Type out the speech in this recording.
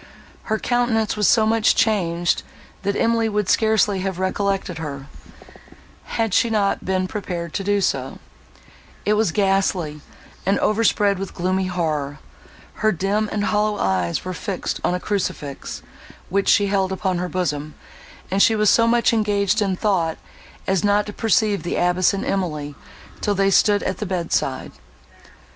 Her countenance was so much changed, that Emily would scarcely have recollected her, had she not been prepared to do so: it was ghastly, and overspread with gloomy horror; her dim and hollow eyes were fixed on a crucifix, which she held upon her bosom; and she was so much engaged in thought, as not to perceive the abbess and Emily, till they stood at the bedside.